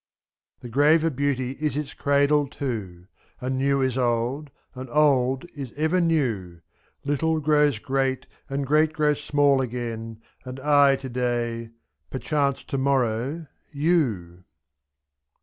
35 The grave of beauty is its cradle too. And new is old, and old is ever new, .^'2'' Little grows great, and great grows small again. And I to day — perchance to morrow You!